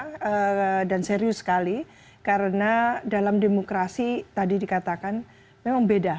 ini pertanyaan yang serius sekali karena dalam demokrasi tadi dikatakan memang beda